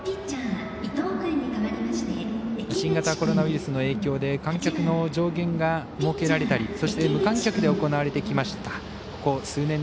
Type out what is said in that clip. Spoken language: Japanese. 新型コロナウイルスの影響で観客の上限が設けられたりそして無観客で行われてきました